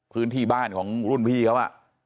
พื้นที่บ้านของรุ่นพี่เขา